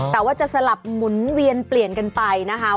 แต่ว่าจะสลับหมุนเวียนเปลี่ยนกันไปนะคะ